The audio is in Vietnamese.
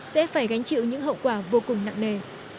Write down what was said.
chúng chịu những hậu quả vô cùng nặng nề